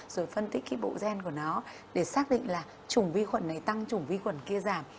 rồi phân tích cái bộ gen của nó để xác định là chủng vi khuẩn này tăng chủng vi khuẩn kia giảm